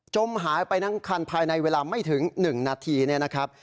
หายไปทั้งคันภายในเวลาไม่ถึง๑นาทีเนี่ยนะครับ